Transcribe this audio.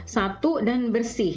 satu dan bersih